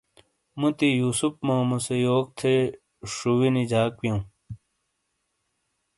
مُوتی یوسُف مومو سے یوک تھے شوئی نی جاک ویوں؟